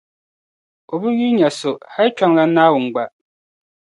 o bi yuli n-nya so, hal kpiɔŋlana Naawuni gba.